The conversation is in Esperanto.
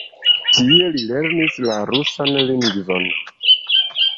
Tie li lernis la rusan lingvon.